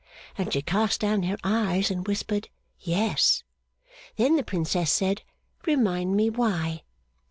And she cast down her eyes, and whispered, Yes. Then the Princess said, Remind me why.